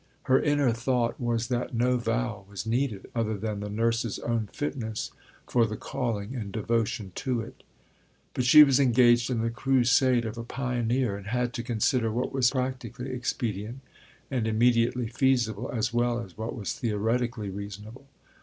Her inner thought was that no vow was needed other than the nurse's own fitness for the calling and devotion to it. But she was engaged in the crusade of a pioneer, and had to consider what was practically expedient and immediately feasible, as well as what was theoretically reasonable.